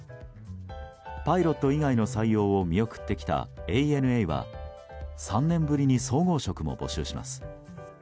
パイロット以外の採用を見送ってきたＡＮＡは３年ぶりに総合職も募集します。